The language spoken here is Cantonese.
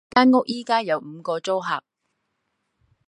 間屋而家有五個租客